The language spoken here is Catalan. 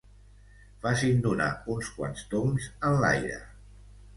Facin donar uns quants tombs enlaire.